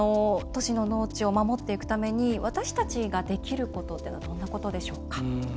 都市の農地を守っていくために私たちができることってどんなことでしょうか？